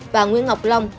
và nguyễn ngọc long